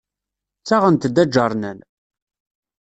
Ttaɣent-d aǧernan.